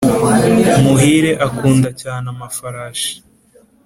muhire akunda cyane amafarashi